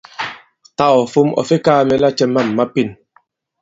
Tâ ɔ̀ fom ɔ̀ fe kaā mɛ lacɛ mâm ma pên.